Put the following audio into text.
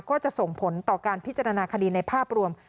ก็จะส่งผลต่อการพิจารณาคดีในภาพรวม